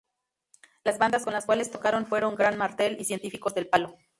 Las bandas con las cuales tocaron fueron Gran Martell y Científicos del Palo.